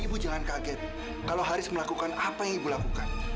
ibu nggak marah kan ibu